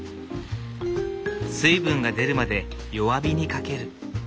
水分が出るまで弱火にかける。